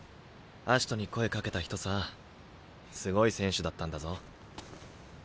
葦人に声かけた人さすごい選手だったんだぞ。